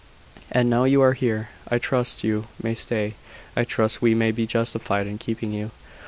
"And now you are here, I trust you may stay I trust we may be justified in keeping you.